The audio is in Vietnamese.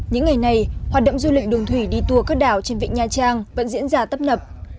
những ngày này hoạt động du lịch đường thủy đi tour các đảo trên vịnh nha trang vẫn diễn ra tấp nập